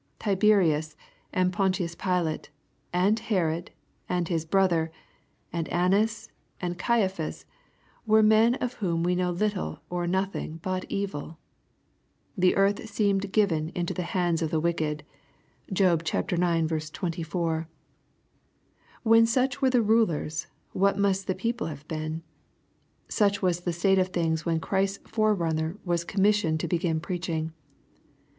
Tiberius, and Pontius Pilate, and Herod, and his brother, and Annas, and Caiaphas, were men of whom we know little or nothing but evil. The earth seemed given into the hands of the wicked. (Job ix. 24.) When such were the rulers, what must the people have been.? — Such was the state of things when Christ's forerunner was commissioned to begin preaching.